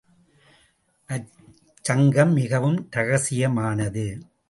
அச்சங்கம் மிகவும் ரகசியமானது.